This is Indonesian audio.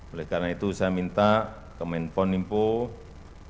oleh karena itu saya minta kementerian komunikasi dan pertanian pertanian